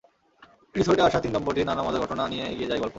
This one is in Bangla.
রিসোর্টে আসা তিন দম্পতির নানা মজার ঘটনা নিয়ে এগিয়ে যায় গল্প।